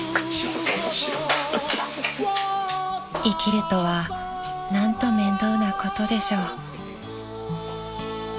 ［生きるとは何と面倒なことでしょう］